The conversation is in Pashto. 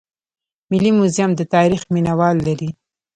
ملي موزیم د تاریخ مینه وال لري